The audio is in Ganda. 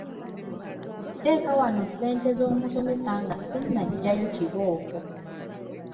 Teeka wano ssente z'omusomesa nga sinnaggyayo kibooko.